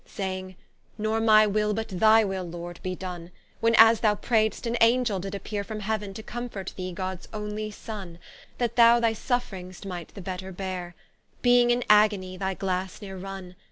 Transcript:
Saying, Nor my will but thy will Lord be done. When as thou prayedst an Angel did appeare From Heauen, to comfort thee Gods onely Sonne, That thou thy Suffrings might'st the better beare, Beeing in an agony, thy glasse neere run.